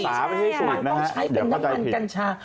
ต้องใช้เป็นน้ำมันกัญชา